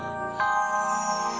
yang memamin ke awal awal tersebut